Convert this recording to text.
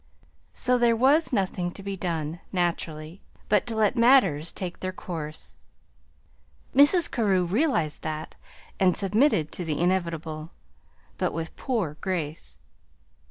So there was nothing to be done, naturally, but to let matters take their course. Mrs. Carew realized that, and submitted to the inevitable, but with poor grace.